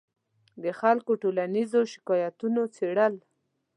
د خلکو د ټولیزو شکایتونو څېړل